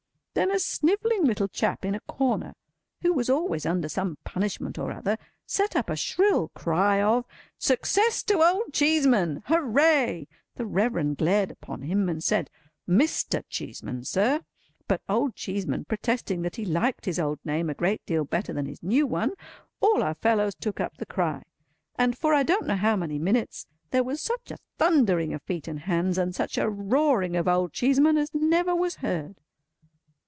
Then a snivelling little chap in a corner, who was always under some punishment or other, set up a shrill cry of "Success to Old Cheeseman! Hooray!" The Reverend glared upon him, and said, "Mr. Cheeseman, sir." But, Old Cheeseman protesting that he liked his old name a great deal better than his new one, all our fellows took up the cry; and, for I don't know how many minutes, there was such a thundering of feet and hands, and such a roaring of Old Cheeseman, as never was heard.